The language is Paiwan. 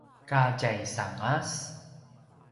ka tjaisangas